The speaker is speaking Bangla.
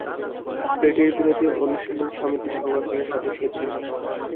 ব্রিটিশ বিরোধী অনুশীলন সমিতি সংগঠনের সদস্য ছিলেন।